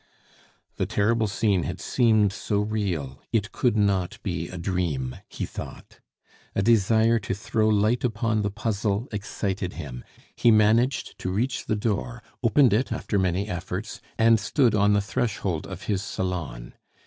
The terrible scene had seemed so real, it could not be a dream, he thought; a desire to throw light upon the puzzle excited him; he managed to reach the door, opened it after many efforts, and stood on the threshold of his salon.